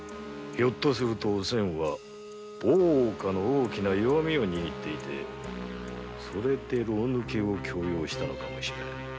ひょっとするとおせんは大岡の大きな弱みを握っていてそれで牢抜けを強要したのかもしれぬ。